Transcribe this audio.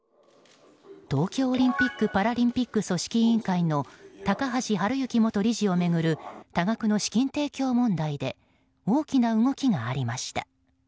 東京オリンピック・パラリンピック組織委員会の高橋治之元理事を巡る多額の資金提供問題で大きな動きがありました。